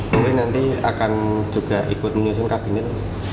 mungkin nanti akan juga ikut menyusun kabinet